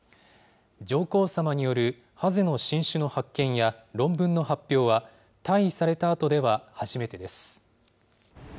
上皇さまによるハゼの新種の発見や論文の発表は、退位されたあとでは初めてです。